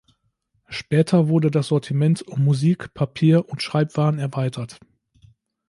Später wurde das Sortiment um Musik-, Papier- und Schreibwaren erweitert.